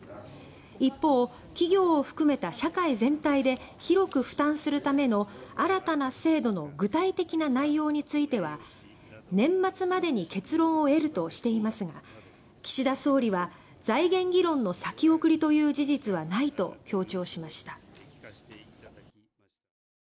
一方企業を含めた社会全体で広く負担するための新たな制度の具体的な内容については「年末までに結論を得る」としていますが岸田総理は「財源議論の先送りという事実はない」と強調しました。